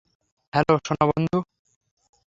Hello, সোনা বন্ধু!